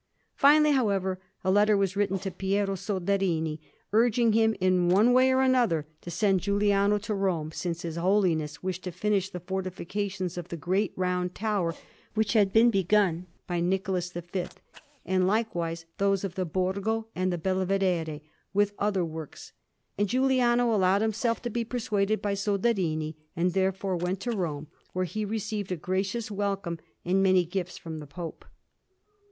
Finally, however, a letter was written to Piero Soderini, urging him in one way or another to send Giuliano to Rome, since his Holiness wished to finish the fortifications of the Great Round Tower, which had been begun by Nicholas V, and likewise those of the Borgo and the Belvedere, with other works; and Giuliano allowed himself to be persuaded by Soderini, and therefore went to Rome, where he received a gracious welcome and many gifts from the Pope.